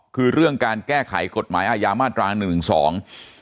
คือเรื่องการแก้ไขกฎหมายอายามาตราง๑๑๒